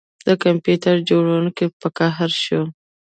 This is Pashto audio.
د کمپیوټر جوړونکي په قهر شو